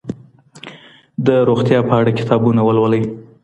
د روغتیا په اړه کتابونه ولولئ.